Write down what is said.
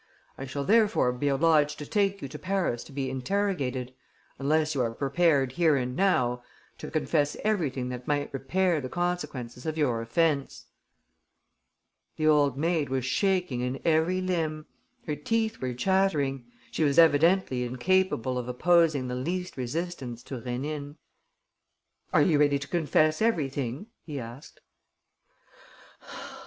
I shall therefore be obliged to take you to Paris to be interrogated ... unless you are prepared here and now to confess everything that might repair the consequences of your offence." The old maid was shaking in every limb. Her teeth were chattering. She was evidently incapable of opposing the least resistance to Rénine. "Are you ready to confess everything?" he asked.